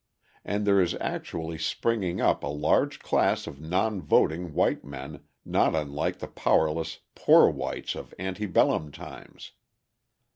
And there is actually springing up a large class of non voting white men not unlike the powerless "poor whites" of ante bellum times.